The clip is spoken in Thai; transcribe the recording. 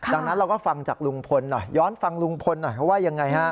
ดังนั้นเราก็ฟังจากลุงพลหน่อยย้อนฟังลุงพลหน่อยเขาว่ายังไงฮะ